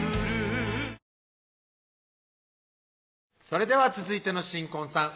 それでは続いての新婚さん